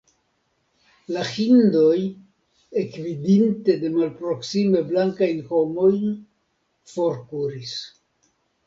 La hindoj, ekvidinte de malproksime blankajn homojn, forkuris.